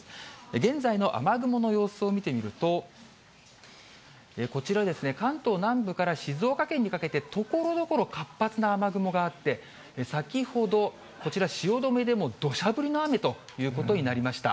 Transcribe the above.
現在の雨雲の様子を見てみると、こちらですね、関東南部から静岡県にかけて、ところどころ、活発な雨雲があって、先ほどこちら、汐留でも、どしゃ降りの雨ということになりました。